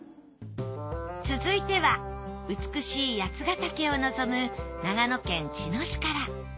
続いては美しい八ヶ岳を望む長野県茅野市から。